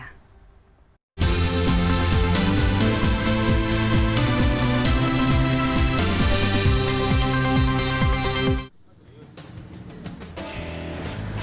nah ini bagaiman